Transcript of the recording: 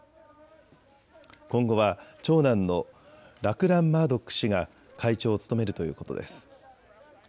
今後は長男のラクラン・マードック氏が会長を務めるということです。